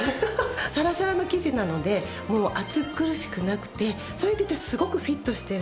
さらさらの生地なので暑苦しくなくてそれでいてすごくフィットしてる。